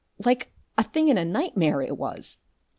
Like a thing in a nightmare it was!